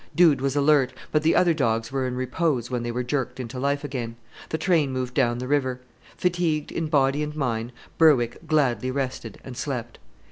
Dude was alert, but the other dogs were in repose when they were jerked into life again. The train moved down the river. Fatigued in body and mind, Berwick gladly rested and slept.